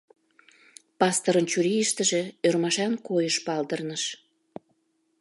Пасторын чурийыштыже ӧрмашан койыш палдырныш.